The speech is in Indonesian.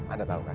anda tahu kan